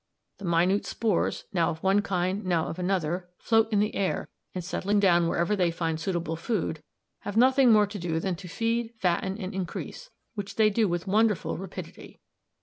The minute spores, now of one kind, now of another, float in the air, and settling down wherever they find suitable food, have nothing more to do than to feed, fatten, and increase, which they do with wonderful rapidity.